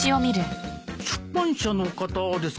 出版社の方ですか？